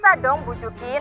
bisa dong bujukin